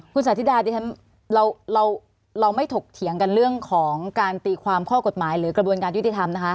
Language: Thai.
คุณสาธิดาดิฉันเราไม่ถกเถียงกันเรื่องของการตีความข้อกฎหมายหรือกระบวนการยุติธรรมนะคะ